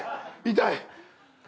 痛い！